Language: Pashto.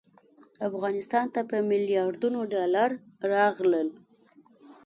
افغانستان ته په میلیاردونو ډالر راغلل.